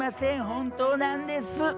本当なんです。